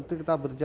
itu kan semua